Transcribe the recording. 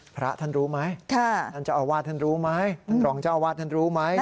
พระท่านรู้ไหมท่านเจ้าอาวาสท่านรู้ไหมท่านรองเจ้าอาวาสท่านรู้ไหม